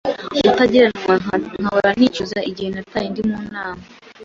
utagereranywa nkahora nicuza igihe nataye ndi mu Mana.